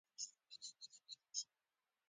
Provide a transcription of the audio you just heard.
ما په جرمني ژبه غږ وکړ چې راوځه څوک یې